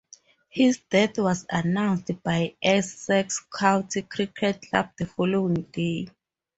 His death was announced by Essex County Cricket Club the following day.